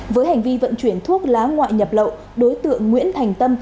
với hành vi vận chuyển thuốc lá ngoại nhập lậu đối tượng nguyễn thành tâm